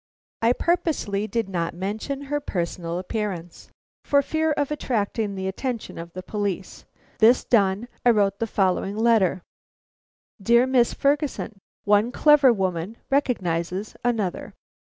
I purposely did not mention her personal appearance, for fear of attracting the attention of the police. This done, I wrote the following letter: "DEAR MISS FERGUSON: "One clever woman recognizes another.